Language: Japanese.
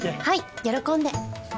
はい喜んで。